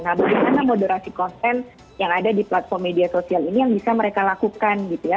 nah bagaimana moderasi konten yang ada di platform media sosial ini yang bisa mereka lakukan gitu ya